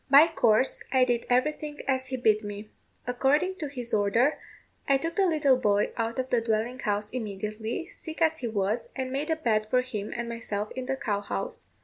By course, I did everything as he bid me. According to his order, I took the little boy out of the dwelling house immediately, sick as he was, and made a bed for him and myself in the cow house.